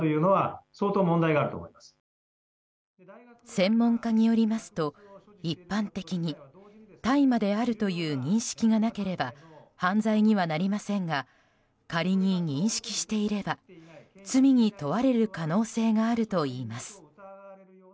専門家によりますと一般的に大麻であるという認識がなければ犯罪にはなりませんが仮に、認識していれば罪に問われる可能性があるといいます。